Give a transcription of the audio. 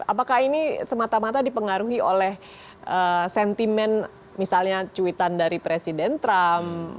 apakah ini semata mata dipengaruhi oleh sentimen misalnya cuitan dari presiden trump